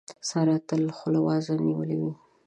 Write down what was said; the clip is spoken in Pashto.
سارا تل خوله وازه نيولې وي.